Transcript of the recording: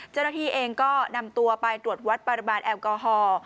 เจ้าหน้าที่เองก็นำตัวไปตรวจวัดปริมาณแอลกอฮอล์